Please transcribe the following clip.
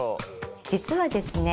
実はですね